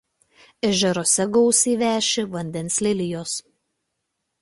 Ežeruose gausiai veši vandens lelijos.